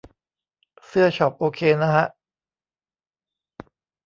เสื้อช็อปโอเคนะฮะ